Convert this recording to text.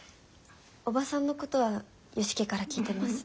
おばさんのことは良樹から聞いてます。